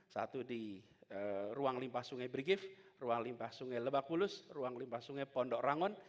satu di ruang limpa sungai brigif ruang limpa sungai lebakulus ruang limpa sungai pondok rangon